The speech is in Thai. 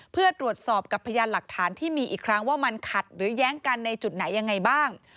เพื่อตรวจสอบกับพยานหลักฐานที่มีอีกครั้งว่ามันขัดหรือแย้งกันในจุดไหนยังไงบ้าง